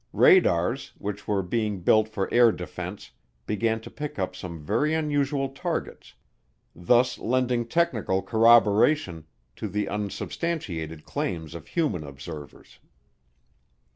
Radars, which were being built for air defense, began to pick up some very unusual targets, thus lending technical corroboration to the unsubstantiated claims of human observers.